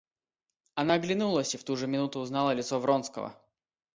Она оглянулась и в ту же минуту узнала лицо Вронского.